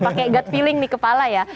pakai gut feeling di kepala ya